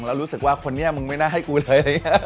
แล้วรู้สึกว่าคนนี้มึงไม่น่าให้กูเลย